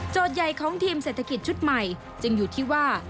ใหญ่ของทีมเศรษฐกิจชุดใหม่จึงอยู่ที่ว่า